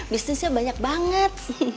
bisnisnya banyak banget